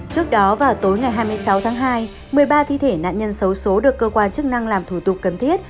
trước đó vào tối ngày hai mươi sáu tháng hai một mươi ba thi thể nạn nhân xấu xố được cơ quan chức năng làm thủ tục cần thiết